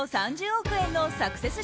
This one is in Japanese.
３０億円のサクセス